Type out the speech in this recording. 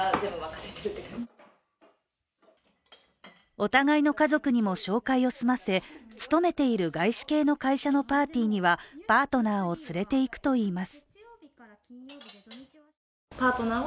お互いの家族にも紹介を済ませ勤めている外資系の会社のパーティーにはパートナーを連れていくといいます。